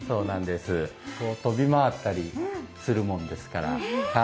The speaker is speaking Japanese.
飛び回ったりするものですから。